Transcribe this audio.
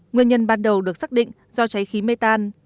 nguyên nhân ban đầu được xác định do cháy khí mê tan